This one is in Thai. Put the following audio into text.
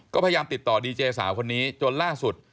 ก็พยายามติดต่อดีเจสาวคนนี้จนล่าสุด